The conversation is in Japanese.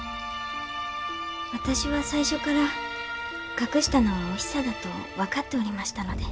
私は最初から隠したのはおひさだと分かっておりましたので。